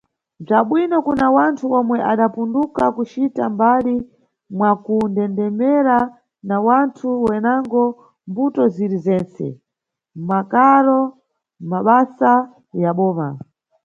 Bza bwino kuna wanthu omwe adapunduka kucita mbali, mwakundendemera na wanthu wenango, mʼmbuto ziri zentse: mʼmakaro, mʼmabasa ya boma.